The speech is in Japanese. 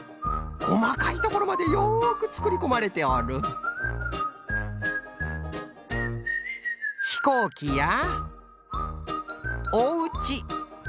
こまかいところまでよくつくりこまれておるひこうきやおうち。